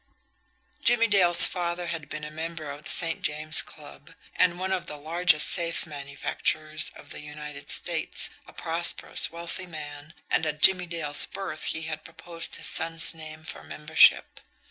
Jimmie Dale's father had been a member of the St. James Club, and one of the largest safe manufacturers of the United States, a prosperous, wealthy man, and at Jimmie Dale's birth he had proposed his son's name for membership.